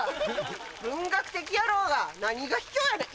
文学的やろうが何が卑怯やねん！